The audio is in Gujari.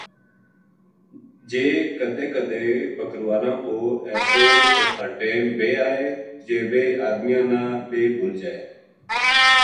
جے کَدے کَدے بکروالاں پو ایسو اوکھا ٹیم بے آئے جے ویہ ادمیاں نا بے بھُل جائے